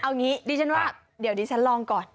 เอางี้ดิฉันว่าเดี๋ยวดิฉันลองก่อน